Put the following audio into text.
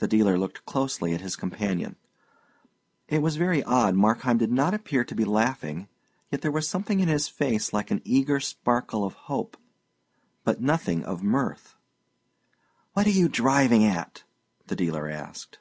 The dealer looked closely at his companion. It was very odd, Markheim did not appear to be laughing; there was something in his face like an eager sparkle of hope, but nothing of mirth. "What are you driving at?" the dealer asked.